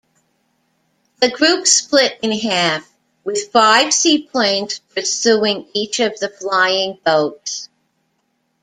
The group split in half, with five seaplanes pursuing each of the flying boats.